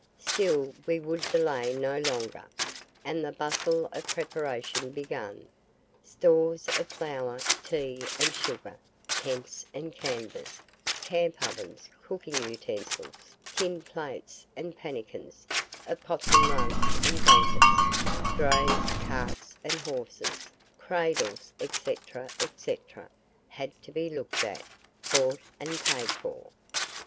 Still we would delay no longer, and the bustle of preparation began. Stores of flour, tea, and sugar, tents and canvas, camp ovens, cooking utensils, tin plates and pannikins, opossum rugs and blankets, drays, carts and horses, cradles, &c. &c., had to be looked at, bought and paid for.